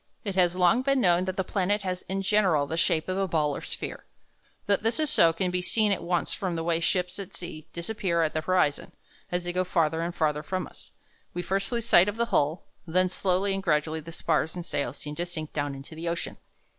It has long been known that the planet has in general the shape of a ball or sphere. That this is so can be seen at once from the way ships at sea disappear at the horizon. As they go farther and farther from us, we first lose sight of the hull, and then slowly and gradually the spars and sails seem to sink down into the ocean.